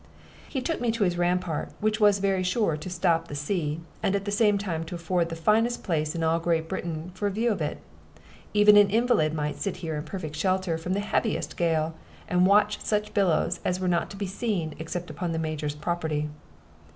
He took me to his rampart, which was sure to stop the sea, and at the same time to afford the finest place in all Great Britain for a view of it. Even an invalid might sit here in perfect shelter from the heaviest gale, and watch such billows as were not to be seen except upon the Major's property.